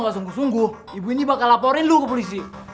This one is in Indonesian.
sungguh sungguh ibu ini bakal laporin lu ke polisi